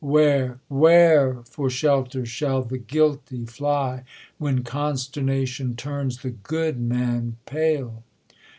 Where, where, for shelter, shall the guilti/ fly, When consternation turns the good man pale